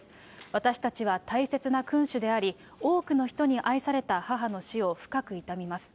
私たちは大切な君主であり、多くの人に愛された母の死を深く悼みます。